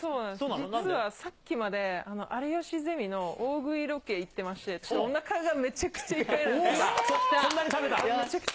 実はさっきまで、有吉ゼミの大食いロケ行ってまして、ちょっとおなかがめちゃくち